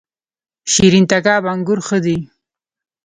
شیرین تګاب انګور ښه دي؟